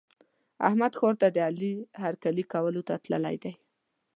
احمد ښار ته د علي هرکلي کولو ته تللی دی.